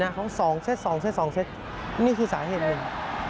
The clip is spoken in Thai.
เค้าสองเซทนี่คือสาเหตุหนึ่ง